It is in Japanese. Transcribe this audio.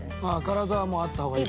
カラザはもうあった方がいい。